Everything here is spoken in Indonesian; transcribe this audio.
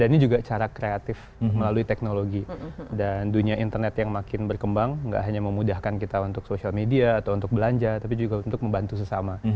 dan ini juga cara kreatif melalui teknologi dan dunia internet yang makin berkembang nggak hanya memudahkan kita untuk social media atau untuk belanja tapi juga untuk membantu sesama